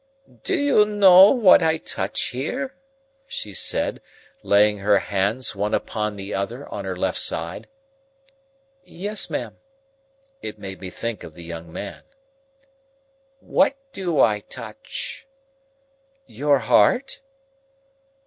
"Do you know what I touch here?" she said, laying her hands, one upon the other, on her left side. "Yes, ma'am." (It made me think of the young man.) "What do I touch?" "Your heart."